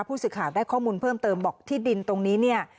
ผู้สื่อข่าวได้ข้อมูลเพิ่มเติมบอกที่ดินตรงนี้เนี่ย